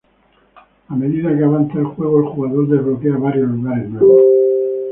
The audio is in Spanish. A medida que avanza el juego, el jugador desbloquea varios lugares nuevos.